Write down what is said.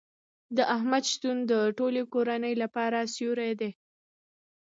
د احمد شتون د ټولې کورنۍ لپاره سیوری دی.